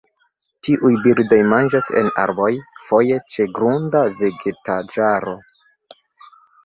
Tiuj birdoj manĝas en arboj, foje ĉe grunda vegetaĵaro.